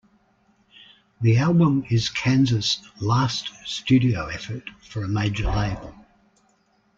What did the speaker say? The album is Kansas's last studio effort for a major label.